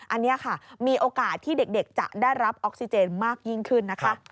อันนี้ค่ะมีโอกาสที่เด็กจะได้รับออกซิเจนมากยิ่งขึ้นนะคะ